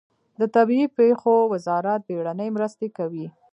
د طبیعي پیښو وزارت بیړنۍ مرستې کوي